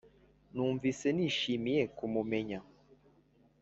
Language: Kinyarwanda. Numvise nishimiye kumumenya